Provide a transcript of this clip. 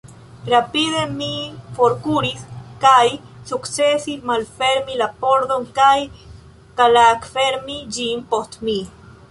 Rapide mi forkuris kaj sukcesis malfermi la pordon kaj klakfermi ĝin post mi.